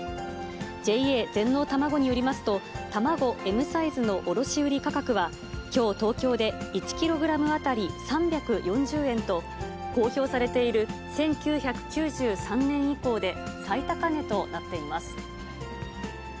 ＪＡ全農たまごによりますと、卵Ｍサイズの卸売り価格はきょう、東京で１キログラム当たり３４０円と、公表されている１９９３年以降で最高値となっています。